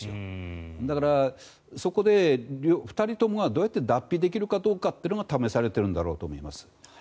だから、そこで２人ともがどうやって脱皮できるかどうかが試されているんだろうと思います。